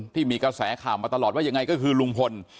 ที่มีกระแสข่าวมาตลอดว่ายังไงก็คือลุงพล